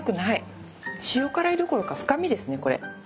塩辛いどころか深みですねこれ。